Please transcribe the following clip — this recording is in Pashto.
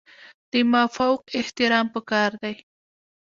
د مافوق احترام پکار دی